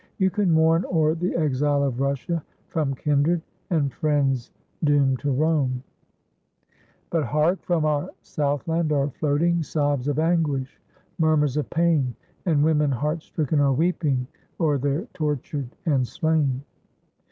You can mourn o'er the exile of Russia From kindred and friends doomed to roam. But hark! from our Southland are floating Sobs of anguish, murmurs of pain, And women heart stricken are weeping O'er their tortured and slain.